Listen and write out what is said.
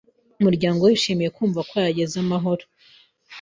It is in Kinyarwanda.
Umuryango we wishimiye kumva ko yahageze amahoro.